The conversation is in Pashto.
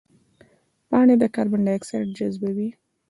پاڼې د کاربن ډای اکساید جذبوي